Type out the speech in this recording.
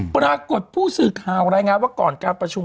ปรากฏผู้สื่อข่าวรายงานว่าก่อนการประชุม